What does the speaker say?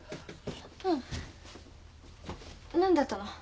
うん。何だったの？